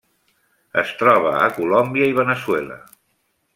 Es troba a Colòmbia i Veneçuela.